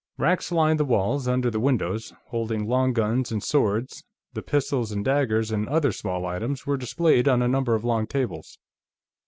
Racks lined the walls, under the windows, holding long guns and swords; the pistols and daggers and other small items were displayed on a number of long tables.